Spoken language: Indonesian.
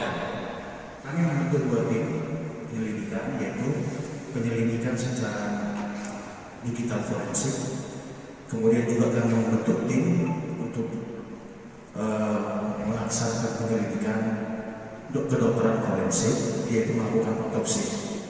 yaitu melakukan otopsi